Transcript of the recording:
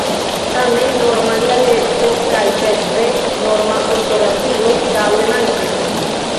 Tamen, norma dialekto kaj sekve norma ortografio daŭre mankis.